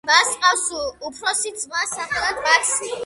მას ჰყავს უფროსი ძმა სახელად მაქსი.